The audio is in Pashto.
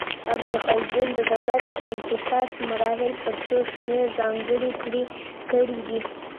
ابن خلدون د دولت د انحطاط مراحل په څو شمېر ځانګړي کړي دي؟